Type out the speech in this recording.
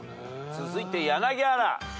続いて柳原。